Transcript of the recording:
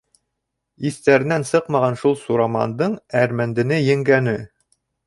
Иҫтәренән сыҡмаған шул Сурамандың әрмәндене еңгәне.